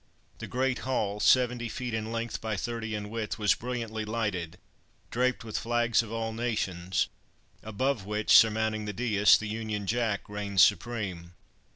The great hall, seventy feet in length, by thirty in width, was brilliantly lighted, draped with flags of all nations, above which, surmounting the daïs, the Union Jack reigned supreme.